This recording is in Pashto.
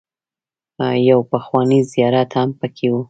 يو پخوانی زيارت هم پکې و.